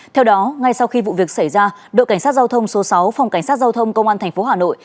theo đó ngay sau khi vụ việc xảy ra đội cảnh sát giao thông số sáu phòng cảnh sát giao thông công an tp hà nội